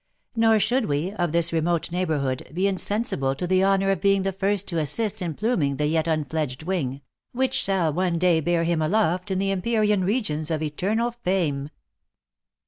Nor should we, of this remote neighbourhood, be insensible to the honour of being the first to assist in pluming the yet unfledged wing, which shall one day bear him aloft into the empyrean regions of eternal fame."